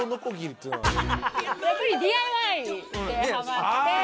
やっぱりＤＩＹではまって。